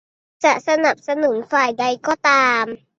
จะสนับสนุนฝ่ายใดก็ตาม